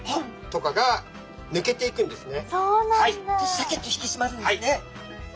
シャキッとひきしまるんですね。